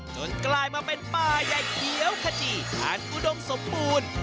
กลายมาเป็นป่าใหญ่เขียวขจีฐานอุดมสมบูรณ์